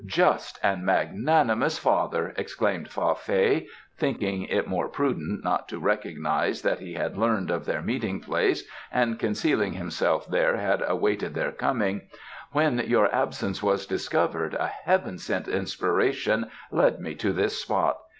"Just and magnanimous father!" exclaimed Fa Fei, thinking it more prudent not to recognize that he had learned of their meeting place and concealing himself there had awaited their coming, "when your absence was discovered a heaven sent inspiration led me to this spot.